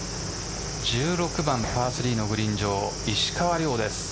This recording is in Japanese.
１６番パー３のグリーン上石川遼です。